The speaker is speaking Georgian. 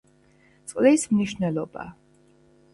წყლის მნიშვნელობა